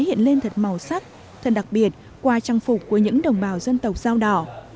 nguyễn văn miền yên bái hiện lên thật màu sắc thật đặc biệt qua trang phục của những đồng bào dân tộc dao đỏ